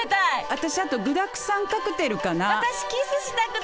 私あと具だくさんカクテルかな。